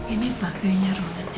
ini pakaiannya rongetnya ya